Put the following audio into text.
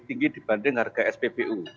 tinggi dibanding harga sppu